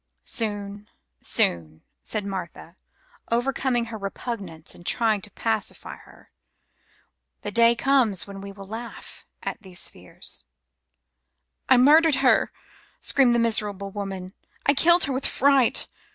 "Soon, soon," said Martha, overcoming her repugnance and trying to pacify her. "When the day comes you will laugh at these fears." "I murdered her," screamed the miserable woman, "I killed her with fright.